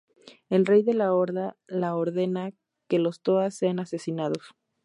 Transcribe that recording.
El rey de la horda la ordena que los Toa sean asesinados.